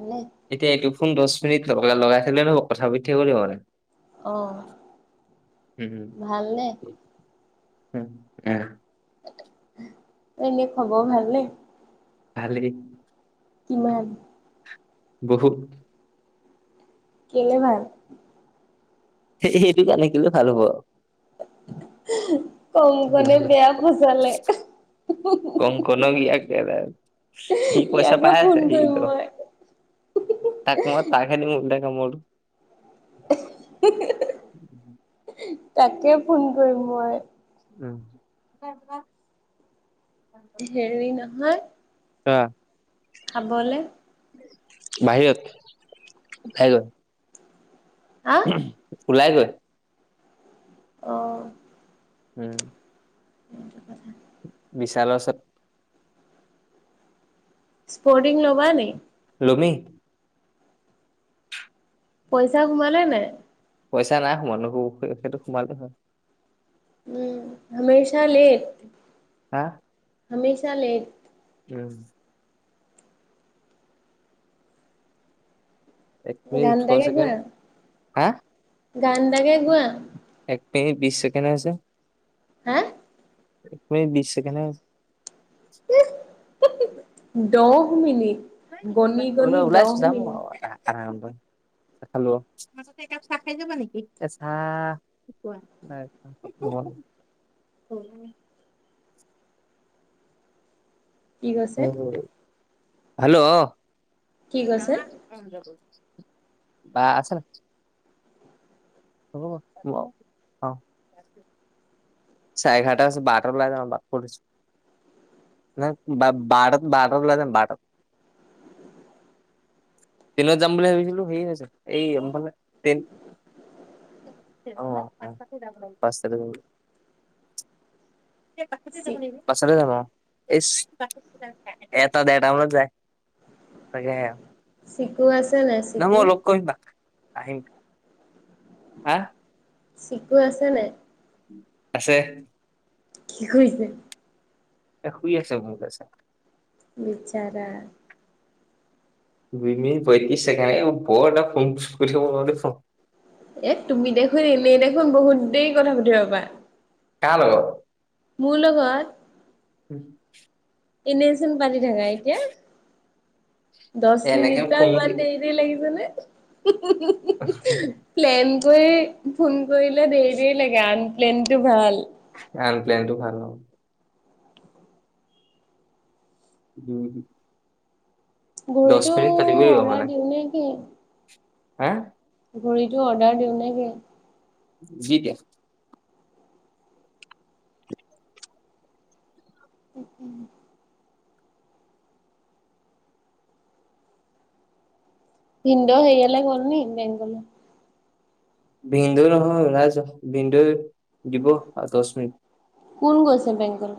ভালে এতিয়া এইটো ফোন দচ মিনিট লগ লগাই থলে নহব কথা পাতি থাকিব মানে। অহ লাগিব উম ভালনে? উম উম। এনেই খবৰ ভালনে? ভালেই। কিমান? বহুত। কেলে ভাল? সেইটো কাৰনে কেলে ভাল হ'ব আৰু। [inaudible] কংকণে বেয়া ফচালে। কে [unintelligible] সি পাইচা ইয়াকে পাই ফোন আছে সি কৰিম মই তাক মই [unintelligible] কামোৰ। [unintelligible] তাকে ফোন কৰিম মই। উম, হেৰি নহয় কোৱা? খাবলে। বাহিৰত খাই গয় হা ওলাই গৈ। অ'। উম। [unintelligible] বিশালৰ অচত। স্পৰ্টিং লবা নেকি? লময়ে। পইচা সোমালে নাই পইচা নাই সোমোৱা সেইটো সোমালে হয়। উম, হমেচা লেট। হা হমেচা লেত। উম। এক মিনিট গান ওঠৰ তাকে ছেকেণ্ড গোৱা, হা গান তাকে গোৱা? এক মিনিত বিশ ছেকেণ্ড হে হয়চে। হা এক মিনিত বিশ ছেকেণ্ড হে হয়চে। [unintelligible] দহ মিনিট। গণি গণি [unintelligible] দহ ওলাইছো যাম মিনিট আৰু। [unintelligible] মাজতে এক কাপ চাহ খায় জাবা নেকি এ চা কোৱা [unintelligible] কি কৈছে হেল্ল'! কি কৈছে? [unintelligible] বা আছে নে? [unintelligible] চাৰে এঘাৰটা হয়চে বাৰটাত উলায় জাও ৰবা। [unintelligible] নায় বাৰতাত বাৰতাত উলাই যাম বাৰতাত। ট্ৰেইনত যাম বুলি ভাবিছিলো হেৰি হৈছে এইফালে ট্ৰেইন অ', পাঁচটাতে যাব লাগিব। পাঁচটাতে চি যাব লাগিব, পাঁচটাতে যাম আৰু। এটা দেৰটা মানত যায় তাকেহে। চিকু আছে নাই চিকু? আহিল হা চিকু আছে নাই? আছে। কি কৰিছে? এ শুই আছে মোৰ। [unintelligible] বিচাৰা দুই মিনিট পয়ত্ৰিশ ছেকেণ্ড বৰ এটা ফোন [unintelligible] এ তুমি দেখোন এনেই দেখোন বহুত দেৰি কথা পাতিব পাৰা। কাৰ লগত। মোৰ লগত। [unintelligible] এনেচোন পাতি থাকা, এতিয়া দচ এনেকে মিনিট বা ফোন ইমান দেৰি দেৰি লাগিছেনে। আছো। তুমি ফোন কৰিলে দেৰি দেৰি লাগে আনপ্লেনটো ভাল। আনপ্লেনটো ভাল ন। উম। ঘড়ীটো লাগিব অৰ্ডাৰ মানে। দিওঁ নে কি। হা ঘড়ীটো অৰ্ডাৰ দিওঁ নে কি? যি দিয়া। [inaudible] উ উ। ভিনদৌ হেৰিয়ালে গ'লনি বেংকলে। ভিনদৌই নহয় ওলাইছে ভিনদৌই দিব আৰু দচ মিনিট। কোন গৈছে বেংকলে?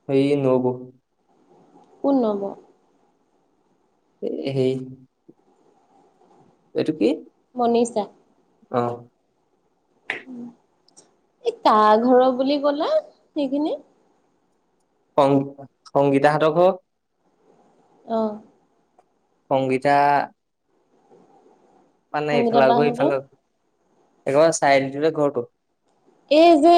[unintelligible] নবৌ কোন নবৌ। এ হেই। এইটো কি? শুনিছা। অ, এই কাৰ ঘৰৰ বুলি ক'লা সেইখিনি। সংগীতা সংগীতাহত ঘৰৰ অ। সংগীতা মানে সংগীতা ইফাল ঘৰ বাহঁতৰ ইফাল একেবাৰে চাইডটে ঘৰতো। এই যে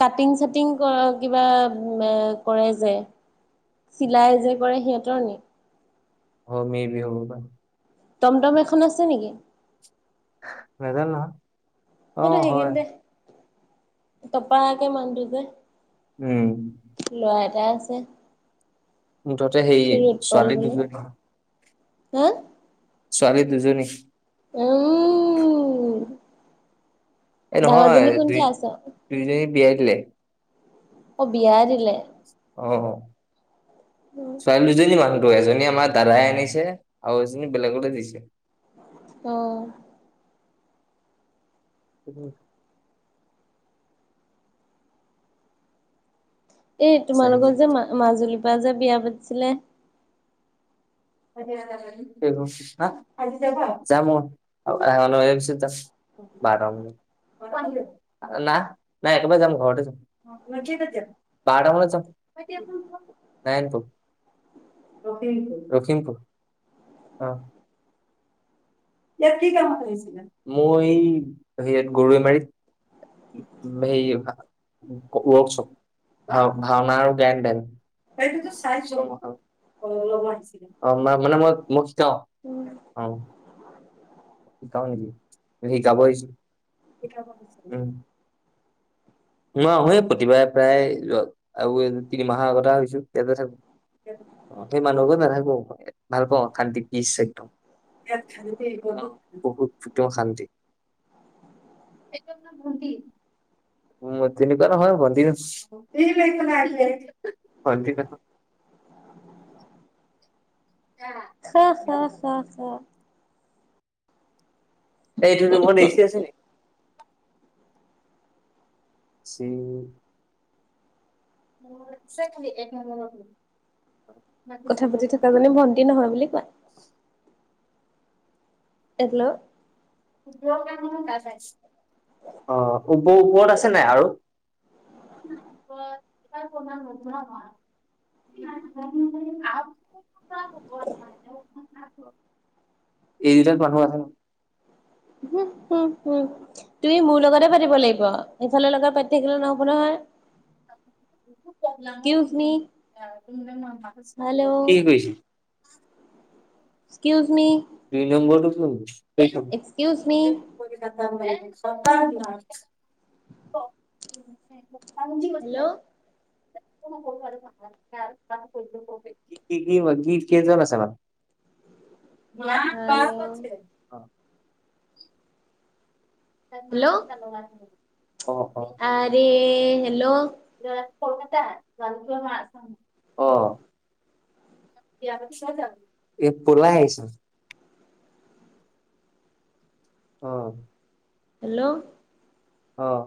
কাটিং চাটিং কৰা কিবা এ কৰে যে। চিলাই যে কৰে সিহঁতৰ নেকি? অ, মে বি হ'ব পাৰে। টমটম এখন আছে নেকি? নেজানো নহয়। অ মইটো হয় সেইখিনিতে তপাকে মানুহটো যে। উম। এয়া আছে। মুঠতে সেই ক্ষীৰোৎপল ছোৱালী বুলি দুজনী। হা ছোৱালী দুজনী। উম্। এ নহয় দুই ক্লাছত দুইজনী বিয়াই দিলে। অ' বিহাৰী। অ, অ, ছোৱালী দুজনী মানুহ আৰু এজনী আমাৰ দাদাই আনিছে আৰু এজনী বেলেগলে দিছে। অ', [unintelligible] এই চাৰি তোমালোকৰ যে মিনিট মাজুলীৰ পৰা যে বিয়া পাতিছিলে। [unintelligible] বাৰ না নাই একেবাৰে যাম ঘৰতে যাম। বাৰ [unintelligible] [unintelligible] লখিমপুৰ ইয়াত কি কাম কৰিছিলে মই হেয়াত গৰৈ মাৰিত। সে ৱৰ্কশপ। ভ ভাওনা আৰু জ্ঞান [unintelligible] সেইটোতো চাইছো [unintelligible] অ শিকাও নেকি শিকাব আহিছোঁ। স [unintelligible] ম প্ৰতিবাৰে প্ৰায় আৰু এই তিনিমাহৰ আগতে হৈছো তেয়াতে থাকো। সেই মানুহকো নাথাকো ভাল পাওঁ শান্তি পিচ একদম। ইয়াত শান্তি বহুত [unintelligible] এক [unintelligible] [unintelligible] [inaudible] চ চা, চা, চা। ত এইটো ৰুমট এছি আছে নেকি। উম [unintelligible] চেখ [unintelligible] কথা পাতি থকা জনে ভন্টি নহয় বুলি কোৱা। এলো [unintelligible] অ ও ওপৰত আছে নাই আৰু। এাৰ কমা [unintelligible] [unintelligible] এই দুটাত [unintelligible] হম, হম তুমি মোৰ লগতে পাতিব লাগিব এইফালৰ লগত পাতি থাকিলে নহ'ব নহয়। এক্সকিউজ মি [unintelligible] হেল্ল' [unintelligible] এক্কউজ মি। দুই নম্বৰটো কোন। এক্সক্যউজ মি। [unintelligible] পজি বছে হেল্ল' [unintelligible] নান হেল্ল' [unintelligible] ত নাল কলাৰ [unintelligible] আৰি হেল্ল'। [unintelligible] মাছ অ বিয়া পাতছে [unintelligible] এই পলাই আহিছে। অ', হেল্ল'। অ',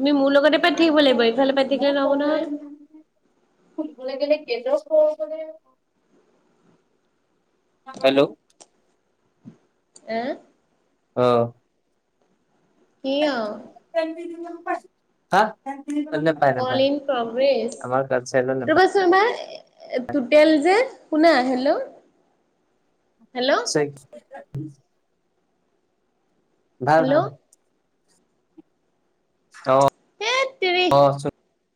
তুমি মোৰ লগতে পাঠিক হব লাগিব ইফালে পাতিকিলে নব ন [unintelligible] ফুৰিবলৈ গলে [unintelligible] হেল্ল' আহ। অ', সিঅ [unintelligible] [unintelligible] কাত কল ইন প্ৰগেছ আমাৰ কালচাৰেলত নাপায় ৰ'বাচোন এবাৰ টুটেল যে শুনা হেল্ল' হেল্ল' চেই [unintelligible] ভাল ভাল হেল্ল' অ হেত তেৰি অ [unintelligible]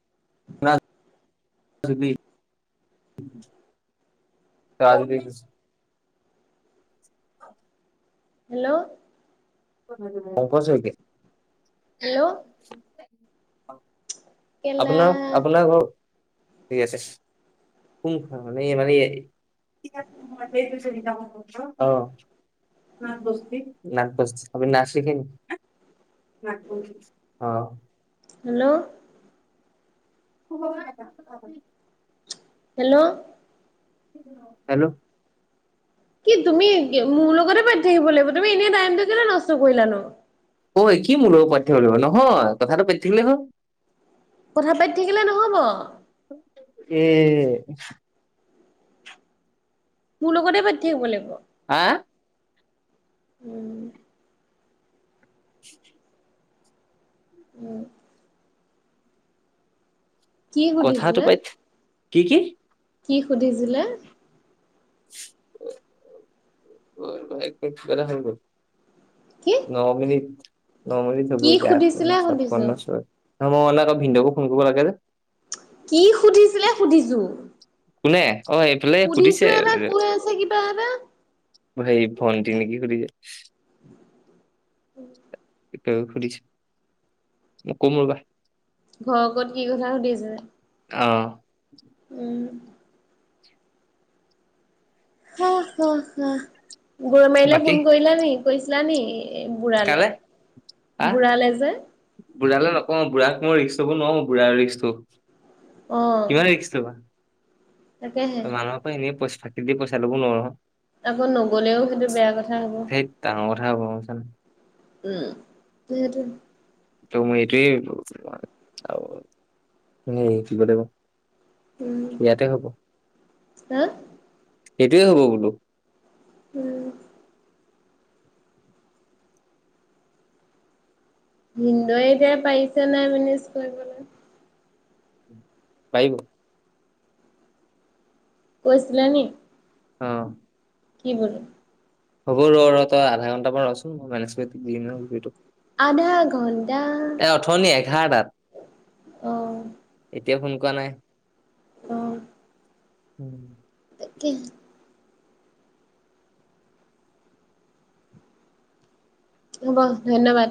[inaudible] [unintelligible] ত [unintelligible] হেল্ল' [unintelligible] অপচকে হেল্ল' কেলা আপোনাক আপোনাক ঠিক আছে [unintelligible] [unintelligible] [unintelligible] [unintelligible] হেল্ল' ব [unintelligible] হেল্ল' হেল্ল' কি তুমি মোৰ লগতে পাতি থাকিব লাগিব তুমি এনেই টাইমটো কেলে নষ্ট কৰিলা নো অঐ কি মোৰ লগত পাতিব লাগিব নহয় কথাটো পেটিকেলহে হয় কথা পাতি থাকিলে নহব এ মোৰ লগতে পাতিথাকিব লাগিব হা উম উ [unintelligible] উম [unintelligible] কি কথাটো সুধিছিলিলে পাতি কি কি কি সুধিছিলে [unintelligible] কি ন মিনিট ন মিনিট হব কি এটিয়া সুধিছিলে [unintelligible] সুধিছো ছপন্ন [unintelligible] ভিন্দঙকো ফোনক কৰিব লাগে যে কি সুধিছিলে সুধিছো কোনে অ এইফালে সুধিছো সুধিছে এটা কৈ আছে কিবা এটা হে ভণ্টি নেকি সুধিছে এক সুধিছে ম কমল বা ঘৰ কত কি কথা সুধিছে অহ উম গৰ মাৰিলে বাকী ফোন কৰিলানে কৈছিলানে এই বুঢ়ালে কালে আহ বুঢ়ালে যে বুঢ়ালৈ নকওঁ বুঢ়াক মোৰ ৰিক্সটোৰ নোৱাৰওঁ বুঢ়াৰ ৰিক্সটো অ কি ভাল দেখিছো তো বা তাকেহে মানুহৰ পৰা এনে পইচ ফাকি দি পইচা ল'ব নোৱাৰো আকৌ নগলেও সেইটো বেয়া কথা হব সেই ডাঙৰ কথা হ'ব বুজিছানে উম সটো ত মই এইটোৱেই [unintelligible] উম ইয়াতে হব হা সেইটোৱে হব বোলো উম। ভিনদৈৱে এতিয়া পাৰিছে নাই মেনেজ কৰিবলৈ। পাৰিব। কৈছিলেনি? অ'। কি বুলি? হ'ব, ৰ' ৰ' তই আধা ঘণ্টামান ৰ'চোন মই মেনেজ কৰি, [unintelligible] আধা ঘণ্টা এ অথনি এঘাৰটাত। অ'। এতিয়া ফোন কৰা নাই। অ [unintelligible] কিহ হব ধন্যবাদ।